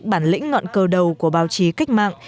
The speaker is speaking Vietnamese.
bản lĩnh ngọn cờ đầu của báo chí cách mạng